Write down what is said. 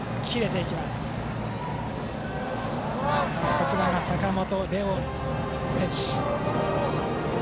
こちらが坂本劣陽選手。